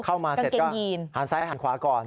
เข้ามาเสร็จก็หันซ้ายหันขวาก่อน